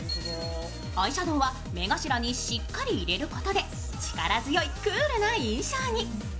アイシャドーは目頭にしっかり入れることで力強いクールな印象に。